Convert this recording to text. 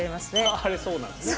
ああれそうなんですね。